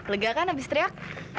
lega kan abis teriak